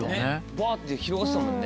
ぶわって広がってたもんね。